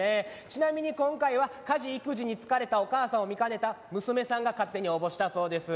ちなみに今回は家事育児に疲れたお母さんを見かねた娘さんが勝手に応募したそうです。